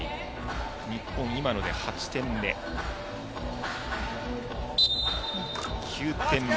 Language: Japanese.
日本は今ので８点目。